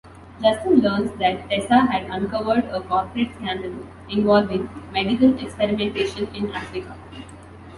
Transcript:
Justin learns that Tessa had uncovered a corporate scandal involving medical experimentation in Africa.